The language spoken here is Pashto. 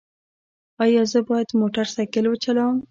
ایا زه باید موټر سایکل وچلوم؟